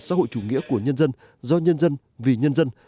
xã hội chủ nghĩa của nhân dân do nhân dân vì nhân dân